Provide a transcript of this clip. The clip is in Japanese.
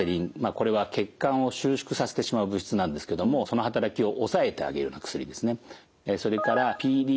これは血管を収縮させてしまう物質なんですけどもその働きを抑えてあげるような薬ですね。